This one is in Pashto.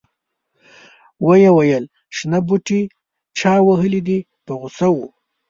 ویې ویل شنه بوټي چا وهلي دي په غوسه و.